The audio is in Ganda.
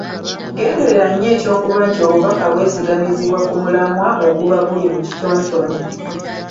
Genderera nnyo eky’okuba nti obubaka bwesigamizibwa ku mulamwa oguba guli mu kitontome.